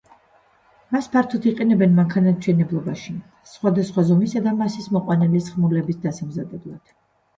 მას ფართოდ იყენებენ მანქანათმშენებლობაში, სხვადასხვა ზომისა და მასის მოყვანილი სხმულების დასამზადებლად.